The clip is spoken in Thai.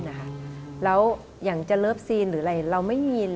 แล้วอย่างจะเลิฟซีนหรืออะไร